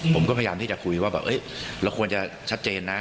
ผมก็พยายามที่จะคุยว่าแบบเราควรจะชัดเจนนะ